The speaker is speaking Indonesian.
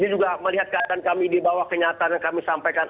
ini juga melihat keadaan kami di bawah kenyataan yang kami sampaikan